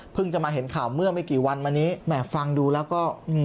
จะมาเห็นข่าวเมื่อไม่กี่วันมานี้แหม่ฟังดูแล้วก็